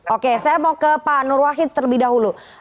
oke saya mau ke pak nur wahid terlebih dahulu